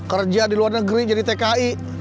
kerja di luar negeri jadi tki